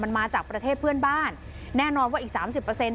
มันมาจากประเทศเพื่อนบ้านแน่นอนว่าอีกสามสิบเปอร์เซ็น